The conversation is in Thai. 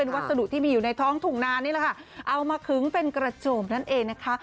วัสดุที่มีอยู่ในท้องถุงนานนี่แหละค่ะเอามาขึงเป็นกระโจมนั่นเองนะคะ